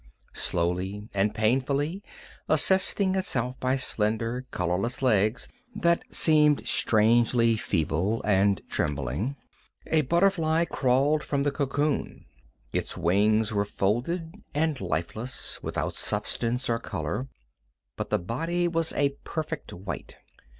Slowly and painfully, assisting itself by slender, colorless legs that seemed strangely feeble and trembling, a butterfly crawled from the cocoon. Its wings were folded and lifeless, without substance or color, but the body was a perfect white.